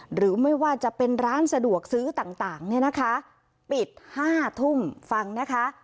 หรือไม่ว่าจะเป็นร้านสะดวกซื้อต่างเนี่ยนะคะปิด๕ทุ่มฟังนะคะ